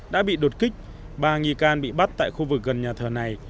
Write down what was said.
đã bị đột kích ba nghi can bị bắt tại khu vực gần nhà thờ này